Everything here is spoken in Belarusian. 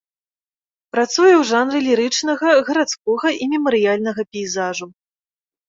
Працуе ў жанры лірычнага, гарадскога і мемарыяльнага пейзажу.